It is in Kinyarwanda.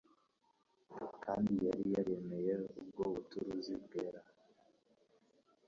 kandi yari yaremeye ubwo buturuzi bwera.